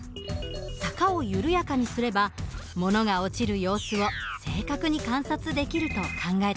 坂を緩やかにすれば物が落ちる様子を正確に観察できると考えたのです。